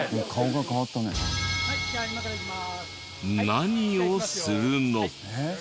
何をするの？